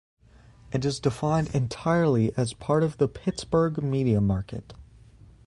It is defined entirely as part of the Pittsburgh media market.